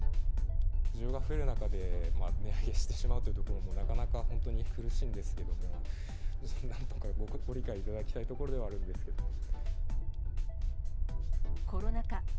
需要が増える中で値上げしてしまうというところもなかなか本当に苦しいんですけれども、なんとかご理解いただきたいところではあるんですけど。